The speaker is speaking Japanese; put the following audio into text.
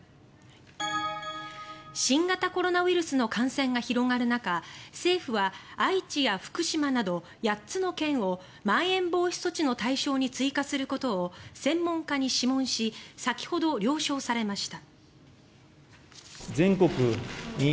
新型コロナウイルスの感染が広がる中政府は愛知や福島など８つの県をまん延防止措置の対象に追加することを専門家に諮問し先ほど了承されました。